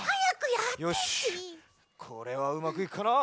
これはうまくいくかな。